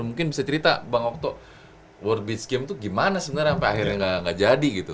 mungkin bisa cerita bang waktu world beach game itu gimana sebenarnya sampai akhirnya nggak jadi gitu